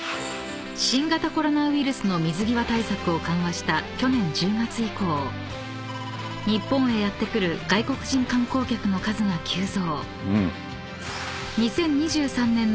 ［新型コロナウイルスの水際対策を緩和した去年１０月以降日本へやって来る外国人観光客の数が急増］